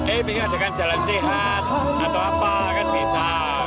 eh diadakan jalan sehat atau apa akan bisa